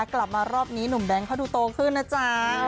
กลับมารอบนี้หนุ่มแบงค์เขาดูโตขึ้นนะจ๊ะ